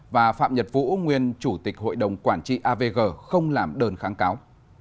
và phạm nhật vũ nguyên chủ tịch hội đồng quản trị avg không làm đơn kháng cáo